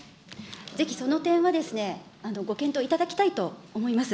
ぜひその点は、ご検討いただきたいと思います。